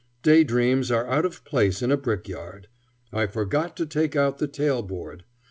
Day dreams are out of place in a brickyard. I forgot to take out the tail board.